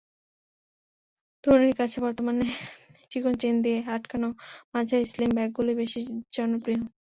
তরুণীদের কাছে বর্তমানে চিকন চেইন দিয়ে আটকানো মাঝারি স্লিম ব্যাগগুলোই বেশি জনপ্রিয়।